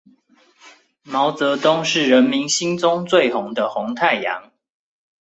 毛澤東是人民心中最紅的紅太陽